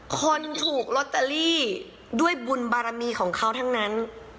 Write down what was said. คนถูกลอตเตอรี่ด้วยบุญบารมีของเขาทั้งนั้น